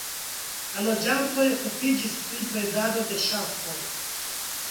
La loĝantoj okupiĝis pri bredado de ŝafoj.